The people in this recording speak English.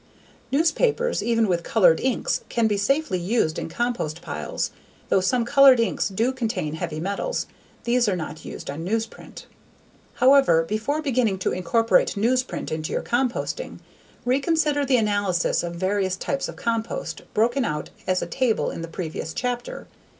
Newspapers, even with colored inks, can be safely used in compost piles. Though some colored inks do contain heavy metals, these are not used on newsprint. However, before beginning to incorporate newsprint into your composting, reconsider the analyses of various types of compost broken out as a table in the previous chapter.